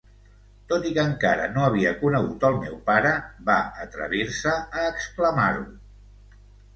Tot i que encara no havia conegut el meu pare, va atrevir-se a exclamar-ho!